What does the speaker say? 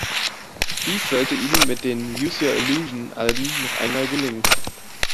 Dies sollte ihnen mit den "Use Your Illusion"-Alben noch einmal gelingen.